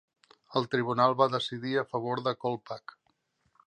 El tribunal va decidir a favor de Kolpak.